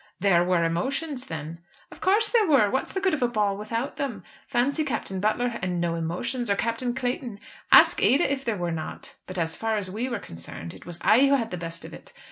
"There were emotions then?" "Of course there were. What's the good of a ball without them? Fancy Captain Butler and no emotions, or Captain Clayton! Ask Ada if there were not. But as far as we were concerned, it was I who had the best of it.